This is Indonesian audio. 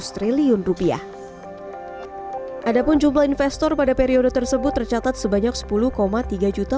sembilan ribu enam ratus triliun rupiah adapun jumlah investor pada periode tersebut tercatat sebanyak sepuluh tiga juta